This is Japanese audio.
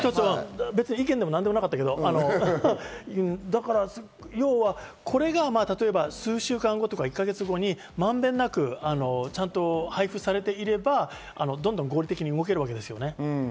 意見でも何でもなかったけど、要はこれが数週間後とか１か月後に満遍なくちゃんと配布されていれば、どんどん合理的に動けるわけですよね。